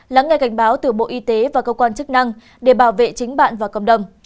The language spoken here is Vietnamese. lắng nghe cảnh báo từ bộ y tế và cơ quan chức năng để bảo vệ chính bạn và cộng đồng